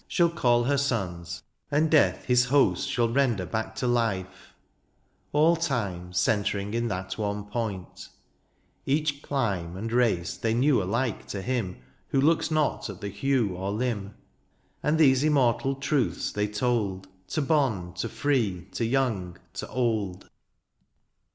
Shall call her sons, and death his hosts Shall render back to life — ^all time Centring in that one point — each clime And race they knew alike to him Who looks not at the hue or limb ; And these immortal truths they told To bond, to free, to young, to old.